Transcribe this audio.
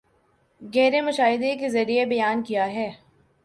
گہرے مشاہدے کے ذریعے بیان کیا ہے